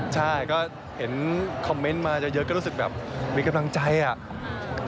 ใช่ก็เห็นคอมเมนต์มาเยอะก็รู้สึกแบบมีกำลังใจอ่ะ